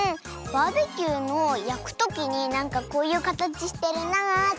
バーベキューのやくときになんかこういうかたちしてるなあって。